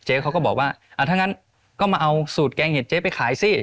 เขาก็บอกว่าถ้างั้นก็มาเอาสูตรแกงเห็ดเจ๊ไปขายสิ